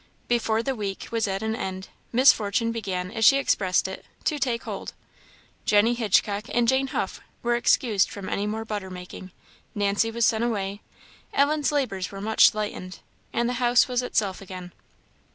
Before the week was at an end, Miss Fortune began, as she expressed it, to "take hold:" Jenny Hitchcock and Jane Huff were excused from any more butter making; Nancy was sent away; Ellen's labours were much lightened; and the house was itself again.